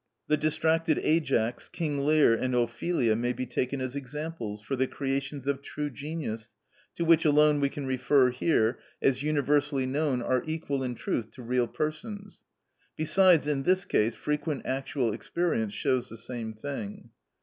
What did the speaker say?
The distracted Ajax, King Lear, and Ophelia may be taken as examples; for the creations of true genius, to which alone we can refer here, as universally known, are equal in truth to real persons; besides, in this case, frequent actual experience shows the same thing.